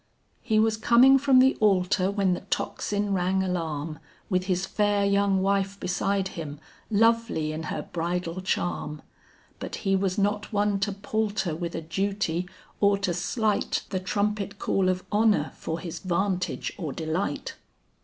He was coming from the altar when the tocsin rang alarm, With his fair young wife beside him, lovely in her bridal charm; But he was not one to palter with a duty, or to slight The trumpet call of honor for his vantage or delight.